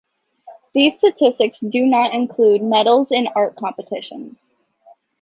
These statistics do not include medals in art competitions.